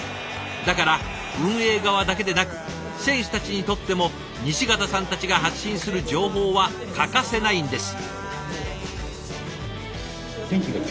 だから運営側だけでなく選手たちにとっても西潟さんたちが発信する情報は欠かせないんです。